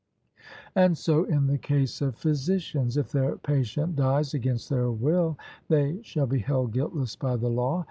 And so in the case of physicians: if their patient dies against their will, they shall be held guiltless by the law.